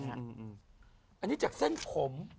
อันนี้จากเส้นผม